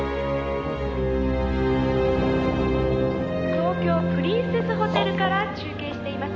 「東京プリンセスホテルから中継しています。